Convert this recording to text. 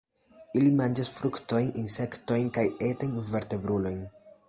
Ili manĝas fruktojn, insektojn kaj etajn vertebrulojn.